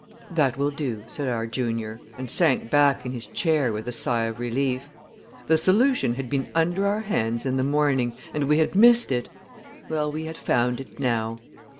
"That will do," said our junior, and sank back in his chair with a sigh of relief. The solution had been under our hands in the morning, and we had missed it! Well, we had found it now.